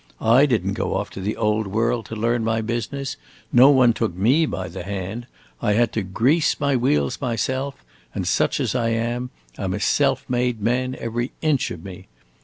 I did n't go off to the Old World to learn my business; no one took me by the hand; I had to grease my wheels myself, and, such as I am, I 'm a self made man, every inch of me!